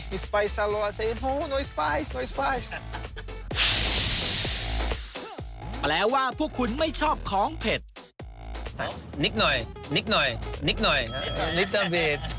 มายังรักเยอะเลยมากกว่าพูดด้วย